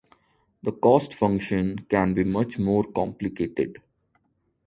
The cost function can be much more complicated.